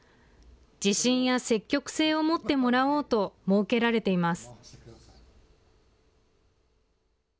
自信や積極性を持ってもらおうと設けられています。